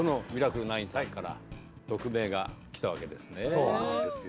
そうなんですよ。